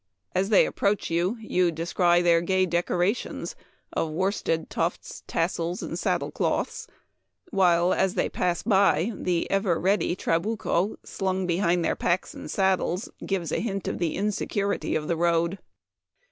As they ap proach you descry their gay decorations of worsted tufts, tassels, and saddle cloths ; while, as they pass by, the ever ready trabucho, slang behind their packs and saddles, gives a hint of the insecurity of the road.